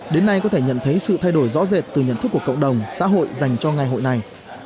đến nay có thể nhận thấy sự thay đổi rõ rệt từ nhận thức của cộng đồng xã hội dành cho ngày hội này